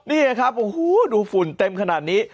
นี่ครับโอ้โหดูฝุ่นเต็มขนาดนี้